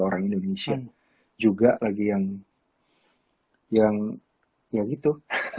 orang indonesia juga lagi yang ya gitu